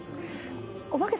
お化け。